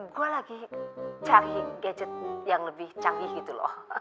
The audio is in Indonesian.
gue lagi cari gadget yang lebih canggih gitu loh